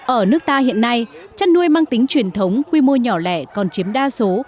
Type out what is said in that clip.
ở nước ta hiện nay chăn nuôi mang tính truyền thống quy mô nhỏ lẻ còn chiếm đa số